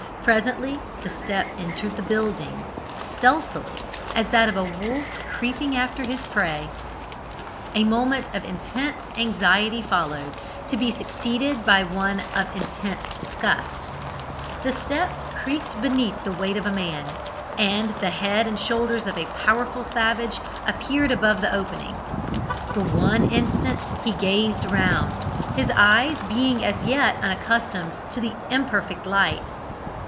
Presently the step entered the building, stealthily as that of a wolf creeping after his prey. A moment of intense anxiety followed, to be succeeded by one of as intense disgust. The steps creaked beneath the weight of a man, and the head and shoulders of a powerful savage appeared above the opening. For one instant he gazed round, his eyes being as yet unaccustomed to the imperfect light.